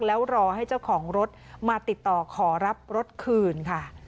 แล้วรอให้เจ้าของรถมาติดต่อขอรับรถคืนค่ะ